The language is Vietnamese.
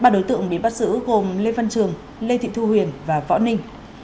ba đối tượng bị bắt giữ gồm lê văn trường lê thị thu huyền và võ ninh